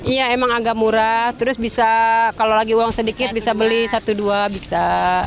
iya emang agak murah terus bisa kalau lagi uang sedikit bisa beli satu dua bisa